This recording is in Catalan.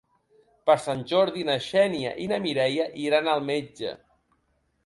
Per Sant Jordi na Xènia i na Mireia iran al metge.